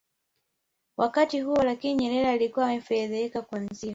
wakati huo Lakini Nyerere alikuwa amefedheheka Kuanzia